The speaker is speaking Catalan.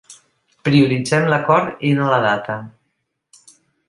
Prioritzem l’acord i no la data.